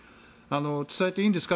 伝えていいんですか？